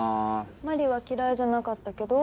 麻里は嫌いじゃなかったけど。